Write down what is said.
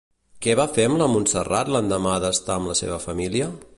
Què va fer amb la Montserrat l'endemà d'estar amb la seva família?